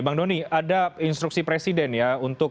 bang doni ada instruksi presiden ya untuk